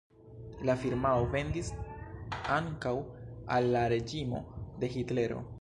La firmao vendis ankaŭ al la reĝimo de Hitlero.